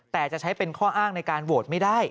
แต่จะใช้เป็นข้ออ้างในการโหวตไม่ได้